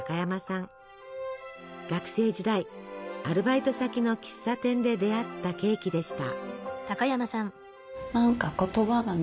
学生時代アルバイト先の喫茶店で出会ったケーキでした。